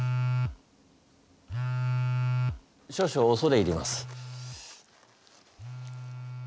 少々おそれ入ります。